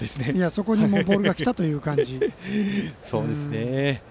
そこにボールが来たという感じでした。